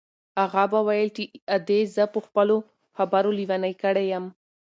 اغا به ویل چې ادې زه په خپلو خبرو لېونۍ کړې یم.